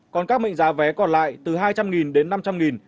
còn các mệnh giá vé còn lại từ hai trăm linh đến năm trăm linh